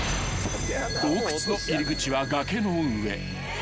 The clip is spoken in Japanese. ［洞窟の入り口は崖の上］